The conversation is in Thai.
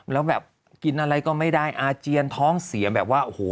แล้วแบบกินอะไรก็ไม่ได้อาเจียนท้องเสียแบบว่าโอ้โห